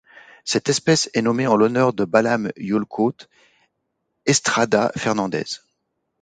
Cette espèce est nommée en l'honneur de Balam Yolcaut Estrada Fernández.